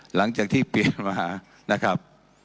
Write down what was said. หลังจากที่เปลี่ยนมานะครับ